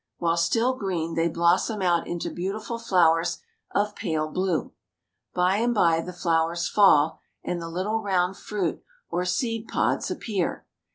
While still green, they blossom out into beautiful flowers of pale blue. By and by the flowers fall, and the httle round fruit or seed pods appear.